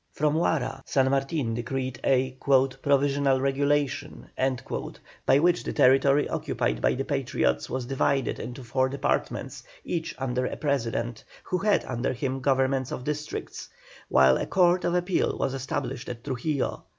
From Huara San Martin decreed a "Provisional Regulation," by which the territory occupied by the Patriots was divided into four departments, each under a President, who had under him governors of districts, while a Court of Appeal was established at Trujillo.